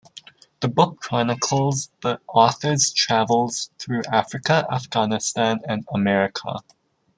The book chronicles the author's travels through Africa, Afghanistan, and America.